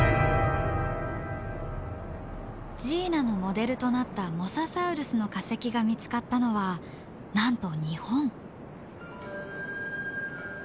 ジーナのモデルとなったモササウルスの化石が見つかったのはなんと日本。